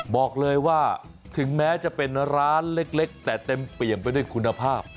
บอกเลยว่าถึงแม้จะเป็นร้านเล็กแต่เต็มเปี่ยมไปด้วยคุณภาพ